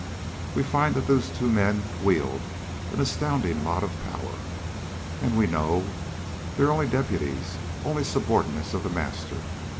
We find that those two men wield an astounding lot of power, and we know they're only deputies, only subordinates of the Master.